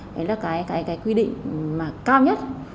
đấy là cái quy định mà cao nhất